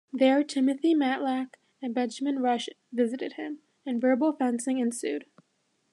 There Timothy Matlack and Benjamin Rush visited him, and verbal fencing ensued.